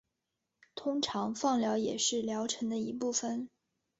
通常放疗也是疗程的一部分。